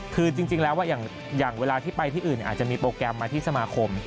คือจริงแล้วอย่างเวลาที่ไปที่อื่นอาจจะมีโปรแกรมมาที่สมาคม